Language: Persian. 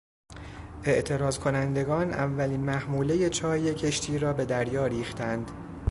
اعتراضکنندگان اولین محمولهی چای کشتی را به دریا ریختند.